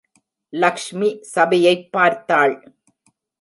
லக்ஷ்மி சபையைப் பார்த்தாள்.